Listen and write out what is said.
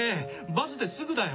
バスですぐだよ。